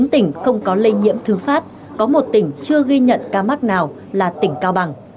bốn tỉnh không có lây nhiễm thứ phát có một tỉnh chưa ghi nhận ca mắc nào là tỉnh cao bằng